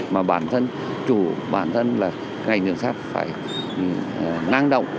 mà bản thân chủ bản thân là ngành đường sắt phải năng động